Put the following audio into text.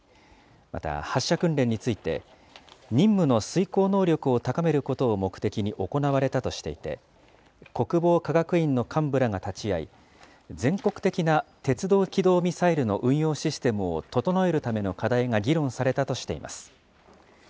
また発射訓練について、任務の遂行能力を高めることを目的に行われたとしていて、国防科学院の幹部らが立ち会い、全国的な鉄道機動ミサイルの運用システムを整えるための課題が議論されたとしています。